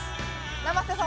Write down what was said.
生瀬さん